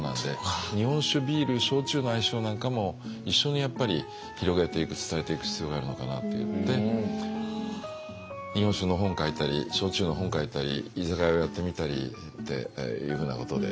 日本酒ビール焼酎の相性なんかも一緒にやっぱり広げていく伝えていく必要があるのかなっていって日本酒の本書いたり焼酎の本書いたり居酒屋をやってみたりっていうふうなことで。